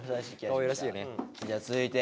じゃあ続いて。